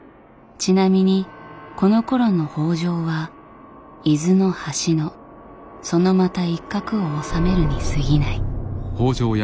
ちなみにこのころの北条は伊豆の端のそのまた一角を治めるにすぎない。